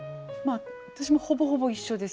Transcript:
私もほぼほぼ一緒です。